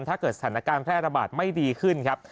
ถ้าเกิดสถานการณ์แพร่ระบาดไม่ดีขึ้นครับ